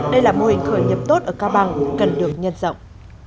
đây là mô hình khởi nghiệp tốt ở cao bằng cần được nhân rộng